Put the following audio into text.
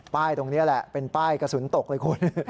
ตรงนี้แหละเป็นป้ายกระสุนตกเลยคุณ